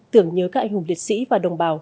tưởng nhớ các anh hùng liệt sĩ và đồng bào